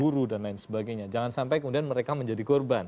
guru dan lain sebagainya jangan sampai kemudian mereka menjadi korban